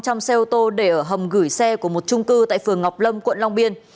trong xe ô tô để ở hầm gửi xe của một trung cư tại phường ngọc lâm quận long biên